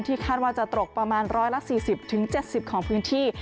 คาดว่าจะตกประมาณ๑๔๐๗๐ของพื้นที่